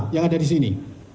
yang ada di sini